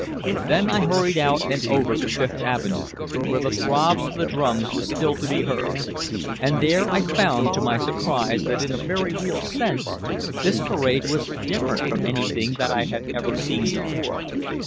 Then I hurried out and over to Fifth Avenue, where the throb of the drums was still to be heard. And there I found to my surprise that in a very real sense this parade was different from anything that I had ever seen before.